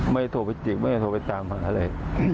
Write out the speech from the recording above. ไม่ได้โทรไปจิ๊กไม่ได้โทรไปจามหาอะไร